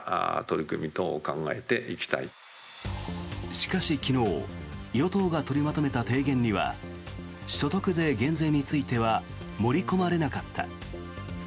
しかし昨日与党が取りまとめた提言には所得税減税については盛り込まれなかった。